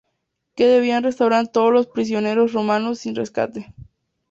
Que debían restaurar todos los prisioneros romanos sin rescate.